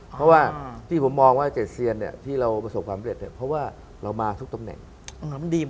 เพราะว่าที่ผมมองว่า๗เซียนที่เราประสบความเร็จเนี่ยเพราะว่าเรามาทุกตำแหน่ง